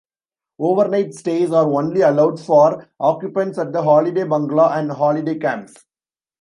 Overnight stays are only allowed for occupants at the Holiday Bungalow and Holiday Camps.